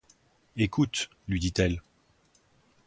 Écoute, lui dit-elle